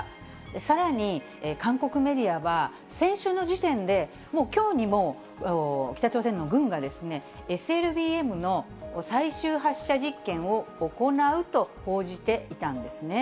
さらに、韓国メディアは、先週の時点で、もうきょうにも北朝鮮の軍が、ＳＬＢＭの最終発射実験を行うと報じていたんですね。